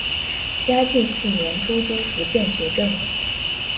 嘉庆四年出督福建学政。